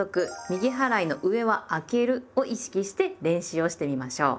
「右払いの上はあける」を意識して練習をしてみましょう。